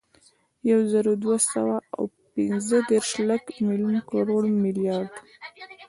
یوزرودوهسوه اوپنځهدېرس، لک، ملیون، کروړ، ملیارد